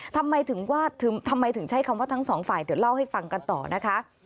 ทำไมถึงใช้คำว่าทั้ง๒ฝ่ายเดี๋ยวเล่าให้ฟังกันต่อนะคะ